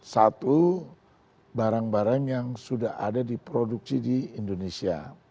satu barang barang yang sudah ada di produksi di indonesia